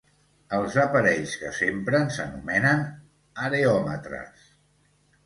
Els aparells que s'empren s'anomenen areòmetres.